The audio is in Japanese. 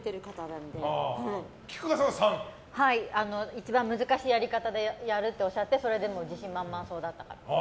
菊川さんは３？一番難しいやり方でやるっておっしゃってそれで自信満々そうだったから。